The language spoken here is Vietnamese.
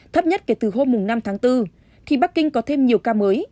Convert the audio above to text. thấp nhất kể từ hôm năm tháng bốn khi bắc kinh có thêm nhiều ca mới